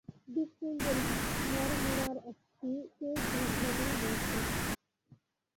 দ্বীপপুঞ্জ মারমোরার একটিতে গ্রীক ধর্মের মঠ দেখলুম।